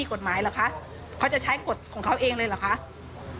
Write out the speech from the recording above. ที่มันก็มีเรื่องที่ดิน